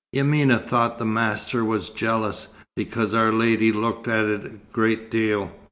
Yamina thought the master was jealous, because our lady looked at it a great deal."